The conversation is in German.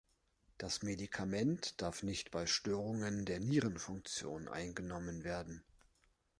Das Medikament darf nicht bei Störungen der Nierenfunktion eingenommen werden.